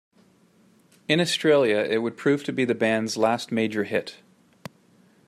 In Australia it would prove to be the band's last major hit.